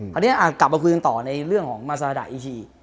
ตอนนี้กลับมาคุยกันต่อในเรื่องของมาสาธาราชอีชี